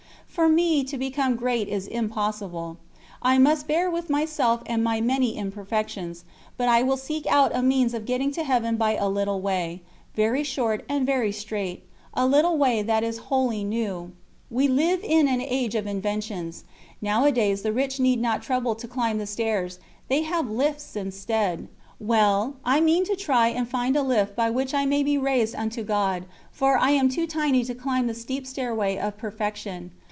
For me to become great is impossible. I must bear with myself and my many imperfections; but I will seek out a means of getting to Heaven by a little way very short and very straight, a little way that is wholly new. We live in an age of inventions; nowadays the rich need not trouble to climb the stairs, they have lifts instead. Well, I mean to try and find a lift by which I may be raised unto God, for I am too tiny to climb the steep stairway of perfection.